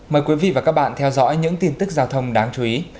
mời quý vị và các bạn theo dõi những tin tức giao thông đáng chú ý